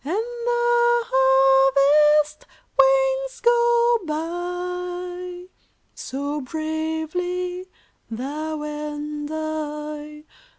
And the harvest wains go by, So bravely — thou and I